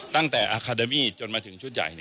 ตั้งแต่อาคาเดมี่จนมาถึงชุดใหญ่